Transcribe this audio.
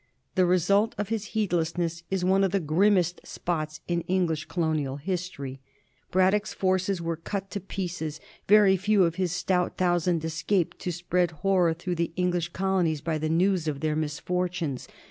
The result of his heedlessness is one of the grimmest spots in Eng lish colonial history. Braddock's forces were cut to pieces: very few of his stout thousand escaped to spread horror through the Eng lish colonies by the news of their misfortunes.